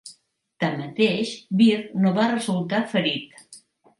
Tanmateix, Birt no va resultar ferit.